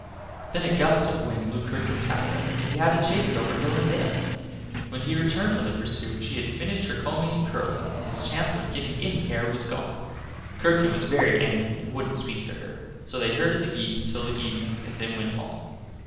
Then a gust of wind blew Curdken's hat away, and he had to chase it over hill and dale. When he returned from the pursuit she had finished her combing and curling, and his chance of getting any hair was gone. Curdken was very angry, and wouldn't speak to her. So they herded the geese till evening and then went home.